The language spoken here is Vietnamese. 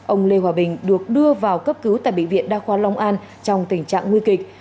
ông lê hòa bình được đưa vào cấp cứu tại bệnh viện đa khoa long an trong tình trạng nguy kịch